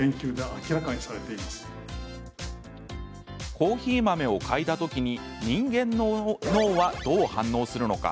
コーヒー豆を嗅いだ時に人間の脳は、どう反応するのか。